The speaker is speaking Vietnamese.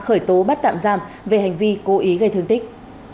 khởi tố bắt tạm giam về hành vi cố ý gây thương tích